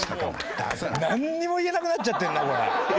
なんにも言えなくなっちゃってるなこれ。